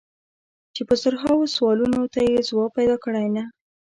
چې په زرهاوو سوالونو ته یې ځواب پیدا کړی که نه.